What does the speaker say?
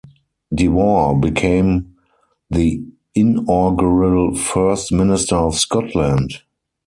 Dewar became the inaugural First Minister of Scotland.